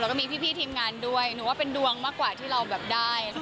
แล้วก็มีพี่ทีมงานด้วยหนูว่าเป็นดวงมากกว่าที่เราแบบได้